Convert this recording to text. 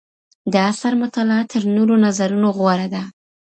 د اثر مطالعه تر نورو نظرونو غوره ده.